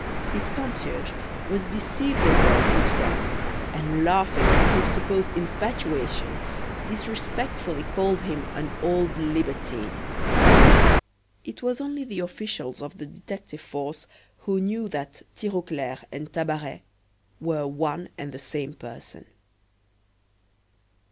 His concierge was deceived as well as his friends, and laughing at his supposed infatuation, disrespectfully called him an old libertine. It was only the officials of the detective force who knew that Tirauclair and Tabaret were one and the same person.